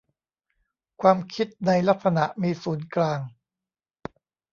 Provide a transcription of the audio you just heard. ความคิดในลักษณะ มีศูนย์กลาง